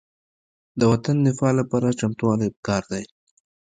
د وطن دفاع لپاره چمتووالی پکار دی.